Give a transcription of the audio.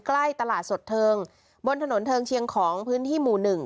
ใกล้ตลาดสดเทิงบนถนนเทิงเชียงของพื้นที่หมู่หนึ่ง